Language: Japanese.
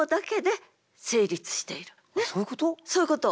そういうこと。